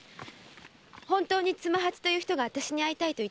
本当に妻八という人が私に会いたいと言っているのね？